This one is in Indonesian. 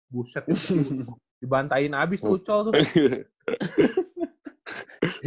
buset dibantain abis ucol tuh